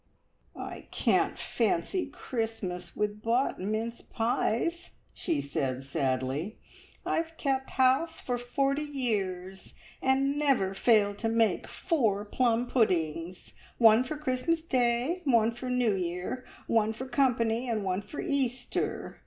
"I can't fancy Christmas with bought mince pies!" she said sadly. "I've kept house for forty years and never failed to make four plum puddings one for Christmas Day, one for New Year, one for company, and one for Easter.